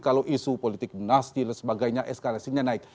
kalau isu politik dinasti dan sebagainya eskalasinya naik